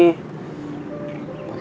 pake ketemu depan segala lagi